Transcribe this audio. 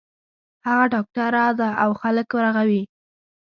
هغه ډاکټر ده او خلک رغوی